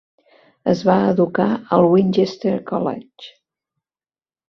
Es va educar al Winchester College.